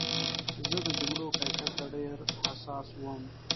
زه د جملو کیفیت ته ډېر حساس وم.